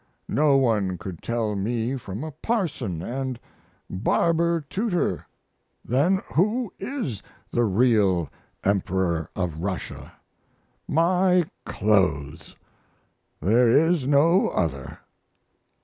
No one could tell me from a parson and barber tutor. Then who is the real Emperor of Russia! My clothes! There is no other.